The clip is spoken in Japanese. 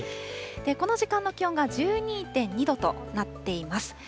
この時間の気温が１２．２度となっています。